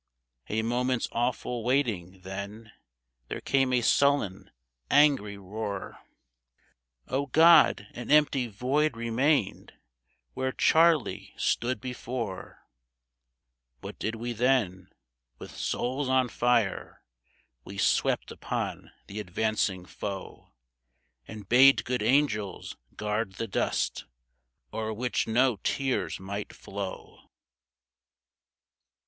" A moment's awful waiting ! Then There came a sullen, angry roar, — 72 CHARLEY OF MALVERN HILL O God ! An empty void remained Where Charley stood before. " What did we then ? With souls on fire We swept upon the advancing foe, And bade good angels guard the dust O'er which no tears might flow